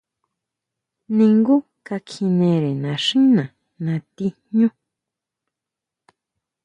Ningú ka kjinere naxína nati jñú.